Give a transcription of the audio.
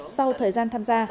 sau thời gian tham gia